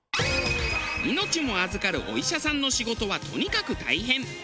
命も預かるお医者さんの仕事はとにかく大変！